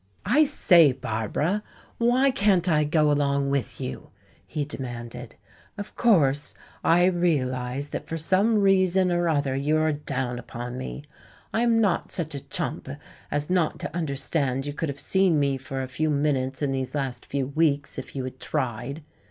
"I say, Barbara, why can't I go along with you?" he demanded. "Of course, I realize that for some reason or other you are down upon me. I am not such a chump as not to understand you could have seen me for a few minutes in these last few weeks if you had tried.